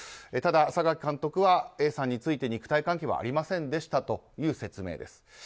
ただ、榊監督はＡさんについて肉体関係はありませんでしたという説明です。